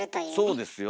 そうですよ。